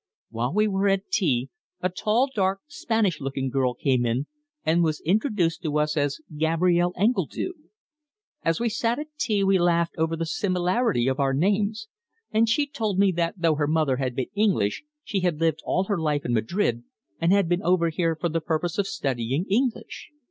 While we were at tea a tall, dark Spanish looking girl came in and was introduced to us as Gabrielle Engledue. As we sat at tea we laughed over the similarity of our names, and she told me that though her mother had been English she had lived all her life in Madrid, and had been over here for the purpose of studying English.